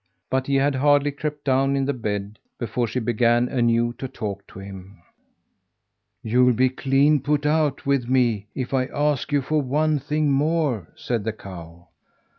But he had hardly crept down in the bed before she began, anew, to talk to him. "You'll be clean put out with me if I ask you for one thing more," said the cow.